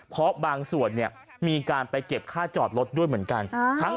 เพราะบางส่วนเนี่ยมีการไปเก็บค่าจอดรถด้วยเหมือนกัน